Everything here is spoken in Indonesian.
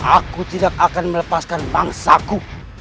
aku tidak akan melepaskan bangsaku